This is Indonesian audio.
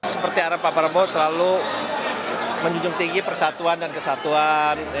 seperti arah pak prabowo selalu menjunjung tinggi persatuan dan kesatuan